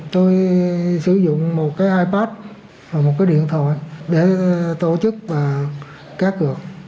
tôi sử dụng một cái ipad và một cái điện thoại để tổ chức cá cược